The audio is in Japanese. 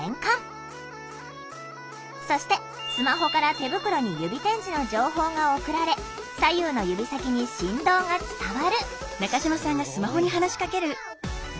そしてスマホから手袋に指点字の情報が送られ左右の指先に振動が伝わる。